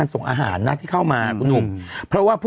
ยังไงยังไงยังไงยังไง